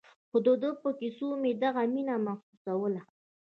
خو د ده په کيسو مې دغه مينه محسوسوله.